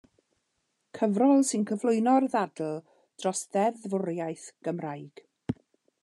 Cyfrol sy'n cyflwyno'r ddadl dros ddeddfwriaeth Gymraeg.